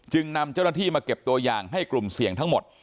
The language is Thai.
นำเจ้าหน้าที่มาเก็บตัวอย่างให้กลุ่มเสี่ยงทั้งหมด